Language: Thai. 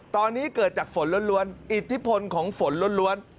ตอนนี้เกิดจากฝนล้วนอิทธิพลของฝนล้วน